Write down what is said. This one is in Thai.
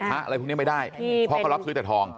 อะไรพวกนี้ไม่ได้เพราะเขารับซื้อแต่ทอง